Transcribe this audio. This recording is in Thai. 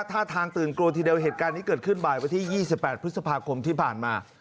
ท่าทางตื่นกลัวทีเดียวเหตุการณ์นี้เกิดขึ้นบ่ายวันที่๒๘พฤษภาคมที่ผ่านมา